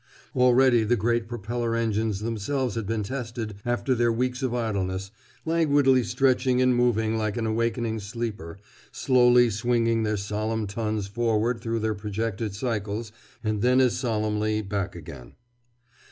Already the great propeller engines themselves had been tested, after their weeks of idleness, languidly stretching and moving like an awakening sleeper, slowly swinging their solemn tons forward through their projected cycles and then as solemnly back again.